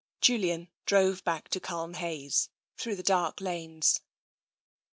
Julian drove back to Culmhayes through the dark lanes.